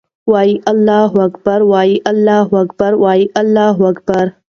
وایو الله اکــبر، وایو الله اکـــبر، وایـــــو الله اکــــــــبر